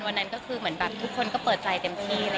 วันนั้นก็เหมือนทุกคนเปิดจ่ายเต็มที่